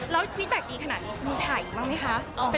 แล้วความคิดแบบดีขนาดนี้จะมีถ่ายอีกบ้างมั้ยคะ